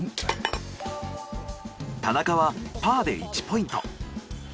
田中はパーで１ポイント。